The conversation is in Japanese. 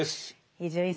伊集院さん